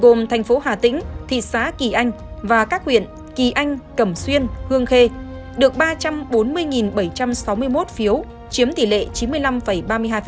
gồm thành phố hà tĩnh thị xã kỳ anh và các huyện kỳ anh cẩm xuyên hương khê được ba trăm bốn mươi bảy trăm sáu mươi một phiếu chiếm tỷ lệ chín mươi năm ba mươi hai